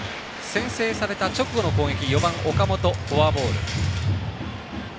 先制された直後の攻撃４番、岡本、フォアボール。